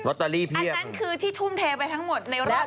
รอตเตอรี่เพียงอันนั้นคือที่ทุ่มเทไปทั้งหมดในรอบที่ผ่านมา